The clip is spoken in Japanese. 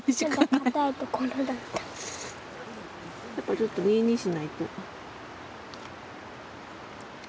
ちょっとにえにえしないと。